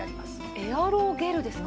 エアロゲルですか？